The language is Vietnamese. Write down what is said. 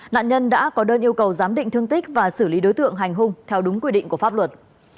nạn nhân đã có đơn yêu cầu giám định thương tích và xử lý đối tượng hành hung theo đúng quy định của pháp luật